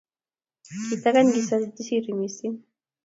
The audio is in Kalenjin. Kitangany Kijasiri missing